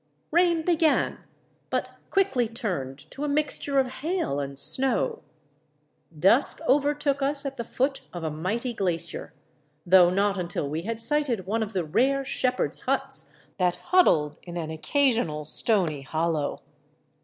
Rain began, but quickly turned to a mixture of hail and snow. Dusk overtook us at the foot of a mighty glacier, though not until we had sighted one of the rare shepherd's huts that huddled in an occasional stony hollow.